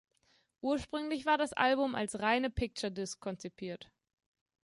Ursprünglich war das Album als reine Picture Disc konzipiert.